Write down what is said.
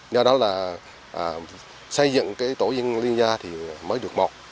do đó là xây dựng tổ liên gia mới được một